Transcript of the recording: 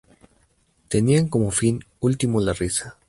Tenían como fin último la risa.